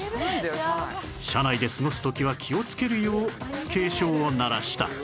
車内で過ごす時は気をつけるよう警鐘を鳴らした